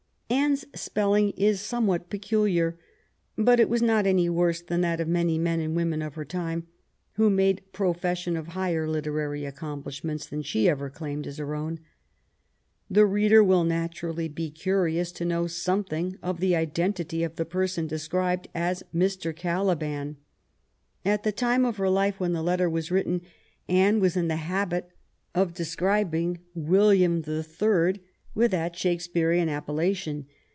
Anne's spelling is somewhat peculiar, but it was not any worse than that of many men and women of her time who made profession of higher literary accomplish ments than she ever claimed as her own. The reader will naturally be curious to know something of the identity of the person described as Mr. Caliban. At the time of her life, when the letter was written, Anne was in the habit of describing William the Third by that Shakespearean appellation.